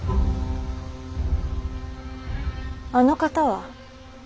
あの方は。